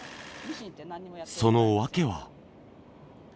その訳は。